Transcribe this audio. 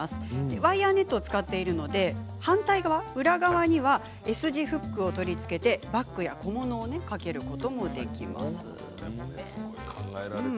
ワイヤーネットを使っているので反対側にはＳ字フックを取り付けてバッグや小物を掛けることもできます。